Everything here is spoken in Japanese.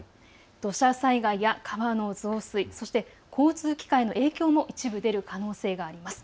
土砂災害や川の増水、そして交通機関への影響も一部出る可能性があります。